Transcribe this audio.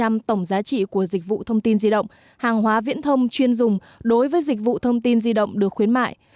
theo thông tư bốn mươi tám tổng giá trị của dịch vụ thông tin di động hàng hóa viễn thông chuyên dùng đối với dịch vụ thông tin di động được khuyến mại